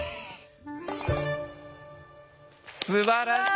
すばらしい！